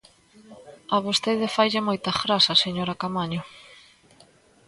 A vostede faille moita graza, señora Caamaño.